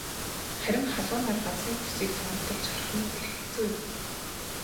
Харин халуун нар газрын хөрсийг цоонотол шарах нь бэрх хэцүү юм.